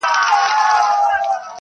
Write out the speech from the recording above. له یوه لاسه تر بل پوري رسیږي -